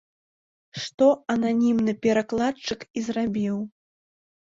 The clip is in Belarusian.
Што ананімны перакладчык і зрабіў.